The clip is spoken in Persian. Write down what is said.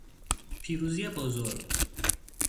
پیروزی بزرگ